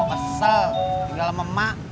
oh kesel tinggal sama mak